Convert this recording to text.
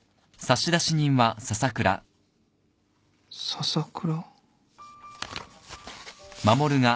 笹倉？